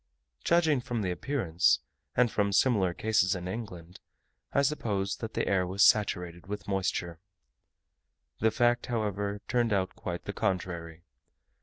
Judging from the appearance, and from similar cases in England, I supposed that the air was saturated with moisture. The fact, however, turned out quite the contrary.